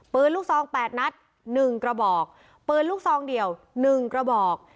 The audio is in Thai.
ปืนลูกทรองแปดนัดหนึ่งกระบอกปืนลูกทรองเดี่ยวหนึ่งกระบอก